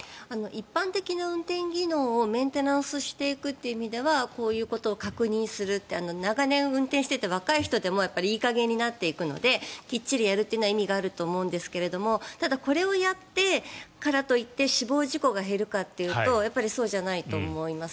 一般的な運転技能のメンテナンスしていく意味ではこういうことを確認するって長年運転していて若い人でもいい加減になっていくのできっちりやるというのは意味があると思うんですがただ、これをやったからといって死亡事故が減るかっていうとそうじゃないと思います。